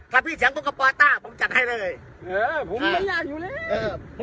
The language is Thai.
ถ้าพี่เสียงพวกกับปลาต้าผมจัดให้เลยเออผมเป็นอย่างอยู่เลยเออ